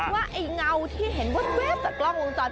มันคือเงาที่เห็นวัดเวฟจากกล้องวงจร